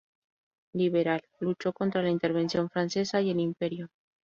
Liberal; luchó contra la Intervención Francesa y el Imperio.